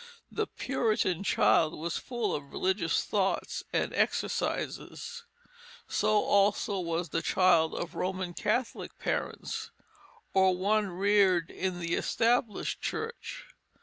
The Puritan child was full of religious thoughts and exercises, so also was the child of Roman Catholic parents, or one reared in the Established Church.